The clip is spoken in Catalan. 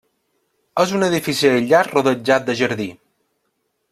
És un edifici aïllat, rodejat de jardí.